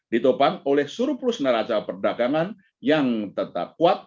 ditopang oleh seru plus neraja perdagangan yang tetap kuat